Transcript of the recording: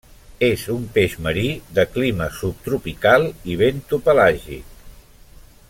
És un peix marí, de clima subtropical i bentopelàgic.